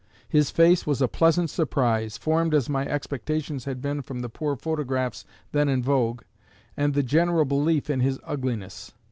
His face was a pleasant surprise, formed as my expectations had been from the poor photographs then in vogue, and the general belief in his ugliness.